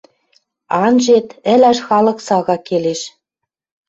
Анжет, ӹлӓш халык сага келеш